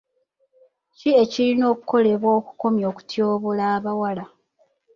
Ki ekirina okukokolebwa okukomya okutyoboola abawala?